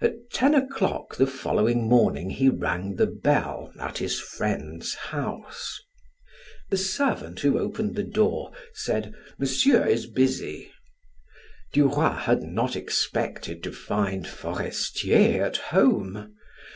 At ten o'clock the following morning he rang the bell, at his friend's house. The servant who opened the door, said: "Monsieur is busy." Duroy had not expected to find Forestier at home.